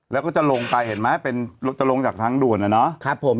แล้วก็จะลงไปเห็นไหมเป็นรถจะลงจากทางด่วนนะครับผม